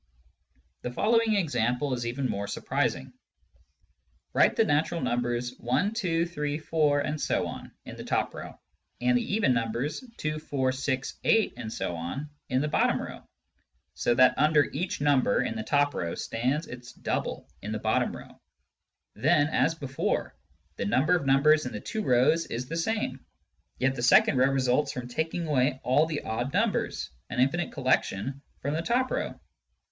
The following example is even more surprising. Write the natural numbers i, 2, 3, 4, ... in the top row, and the even numbers 2, 4, 6, 8, ... in the bottom row, so that under each number in the top row stands its double in the bottom row. Then, as before, the number of numbers in the two rows is the same, yet the second row results from taking away all the odd numbers — ^an infinite collection — from the top row.